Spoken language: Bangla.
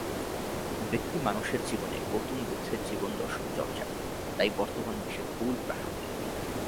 ব্যক্তিমানুষের জীবনে গৌতম বুদ্ধের জীবন দর্শন চর্চা তাই বর্তমান বিশ্বে খুবই প্রাসঙ্গিক।